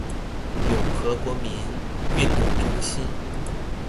永和國民運動中心